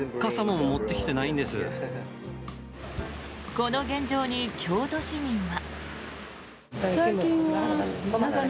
この現状に京都市民は。